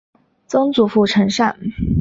曾祖父陈善。